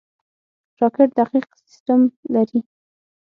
راکټ ډېر دقیق سیستم لري